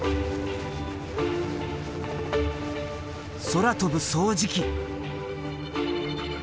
空飛ぶ掃除機！